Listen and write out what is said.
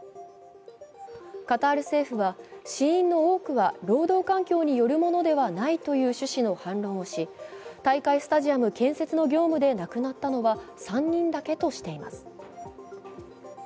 カタール政府は、死因の多くは労働環境によるものではないという趣旨の反論をし、大会スタジアム建設の業務で亡くなったのは３人だけとしています。